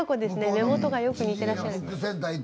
目元がよく似てらっしゃる。